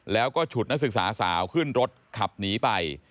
แล้วก็ฉุดนักศึกษาสาวขึ้นรถขับหนีไป